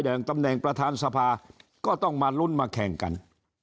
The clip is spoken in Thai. งตำแหน่งประธานสภาก็ต้องมาลุ้นมาแข่งกัน